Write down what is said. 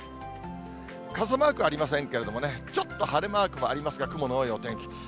傘マークありませんけれどもね、ちょっと晴れマークもありますが、雲の多いお天気。